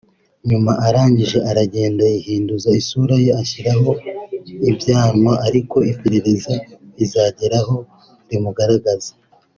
nyuma arangije aragenda yihinduza isura ye ashyiraho ibyanwa ariko iperereza rizageraho rimugaragaze